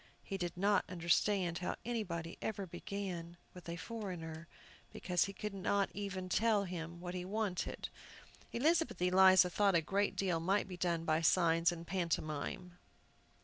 He did not understand how anybody ever began with a foreigner, because he could not even tell him what he wanted. Elizabeth Eliza thought a great deal might be done by signs and pantomime.